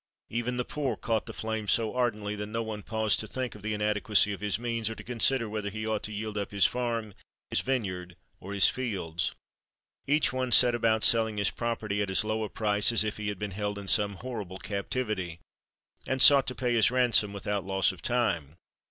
Even the poor caught the flame so ardently, that no one paused to think of the inadequacy of his means, or to consider whether he ought to yield up his farm, his vineyard, or his fields. Each one set about selling his property at as low a price as if he had been held in some horrible captivity, and sought to pay his ransom without loss of time.